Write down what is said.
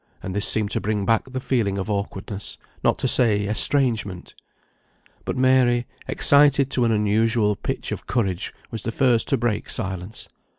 And this seemed to bring back the feeling of awkwardness, not to say estrangement. But Mary, excited to an unusual pitch of courage, was the first to break silence.